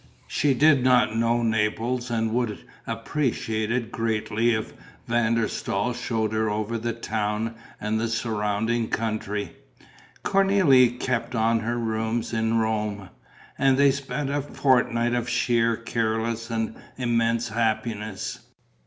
She did not know Naples and would appreciate it greatly if Van der Staal showed her over the town and the surrounding country. Cornélie kept on her rooms in Rome. And they spent a fortnight of sheer, careless and immense happiness.